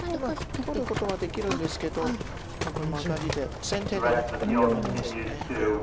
取ることはできるんですけどこれもアタリで先手でここ止まります。